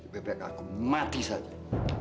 bebek aku mati saja